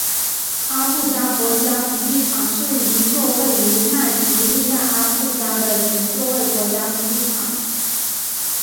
阿布加国家体育场是一座位于奈及利亚阿布加的全座位国家体育场。